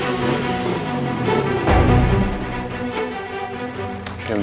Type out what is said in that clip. kami belum mau